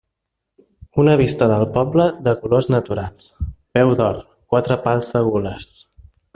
Una vista del poble, de colors naturals; peu d'or, quatre pals de gules.